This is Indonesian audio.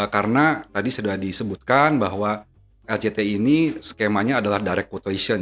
karena tadi sudah disebutkan bahwa lct ini skemanya adalah direct quotation